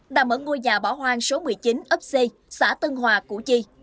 đang ở ngôi nhà bảo hoang số một mươi chín ấp c xã tân hòa củ chi